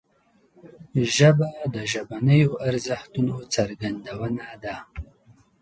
ژبه د ژبنیو ارزښتونو څرګندونه ده